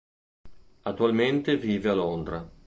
Attualmente vive a Londra.